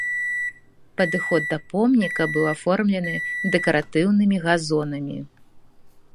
Падыход да помніка быў аформлены дэкаратыўнымі газонамі.